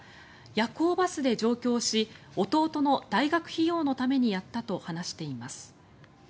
夜行バスで上京し弟の大学費用のためにやったと話しています。